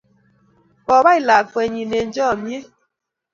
Kopai lakwennyi eng' chamyet